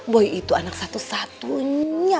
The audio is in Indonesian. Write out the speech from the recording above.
boy itu anak satu satunya